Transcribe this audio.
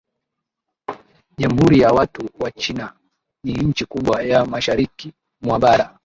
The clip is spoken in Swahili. Jamhuri ya Watu wa China ni nchi kubwa ya Mashariki mwa bara